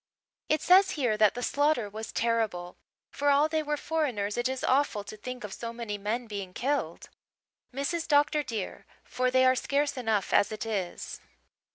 It says here that the slaughter was terrible. For all they were foreigners it is awful to think of so many men being killed, Mrs. Dr. dear for they are scarce enough as it is."